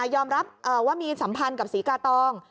ยอมรับว่ามีสัมพันธ์กับศรีกาตอง